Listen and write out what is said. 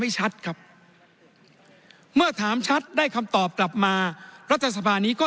ชัดครับเมื่อถามชัดได้คำตอบกลับมารัฐสภานี้ก็